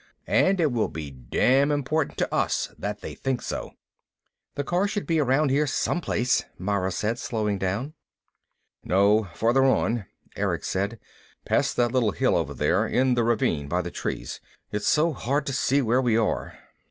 And it will be damn important to us that they think so!" "The car should be around here, someplace," Mara said, slowing down. "No. Farther on," Erick said. "Past that little hill over there. In the ravine, by the trees. It's so hard to see where we are."